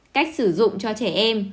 cách sử dụng cho trẻ em